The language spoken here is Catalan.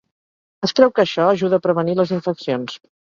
Es creu que això ajuda a prevenir les infeccions.